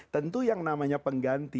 tentu yang namanya pengganti